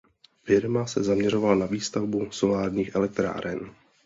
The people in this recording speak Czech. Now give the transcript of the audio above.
Firma se zaměřovala na výstavbu solárních elektráren.